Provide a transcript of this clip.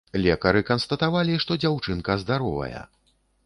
Лекары канстатавалі, што дзяўчынка здаровая.